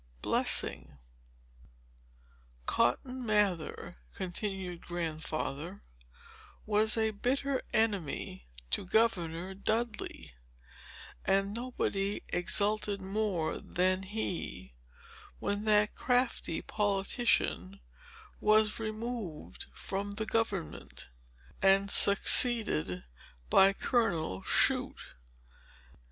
Chapter VI "Cotton Mather," continued Grandfather, "was a bitter enemy to Governor Dudley; and nobody exulted more than he, when that crafty politician was removed from the government, and succeeded by Colonel Shute.